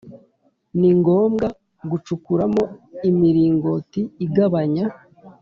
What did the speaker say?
ni ngombwa gucukuramo imiringoti igabanya